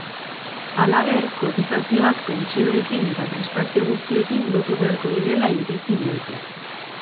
Halaber, kotizazioak pentsioekin eta prestazio guztiekin lotu beharko direla iritzi diote.